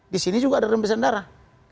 di sini juga ada rembesan darah